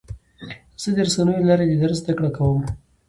زه د رسنیو له لارې د درس زده کړه کوم.